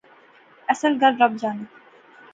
اصل گل رب جانے